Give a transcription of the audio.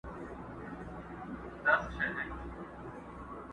یوه برخه د پرون له رشوتونو٫